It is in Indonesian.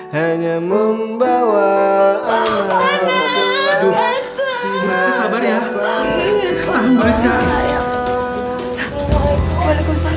hanya membawa anggota anggota